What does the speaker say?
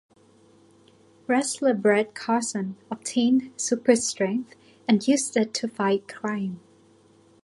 Wrestler Brett Carson obtained super strength and used it to fight crime.